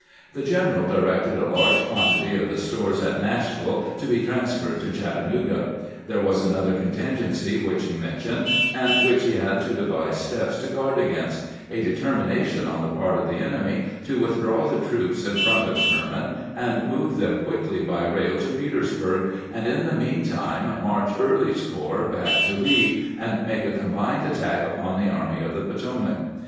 The general directed a large quantity of the stores at Nashville to be trans ferred to Chattanooga. There was another contingency which he mentioned, and which he had to devise steps to guard against — a determination on the part of the 244 CAMPAIGNING WITH GRANT enemy to withdraw the troops in front of Sherman and move them quickly by raU to Petersburg, and in the mean time march Early's corps back to Lee, and make a combined attack upon the Army of the Potomac.